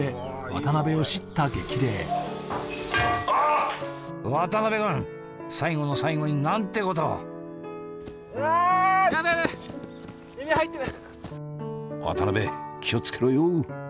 渡辺君最後の最後になんてことを渡辺、気をつけろよ。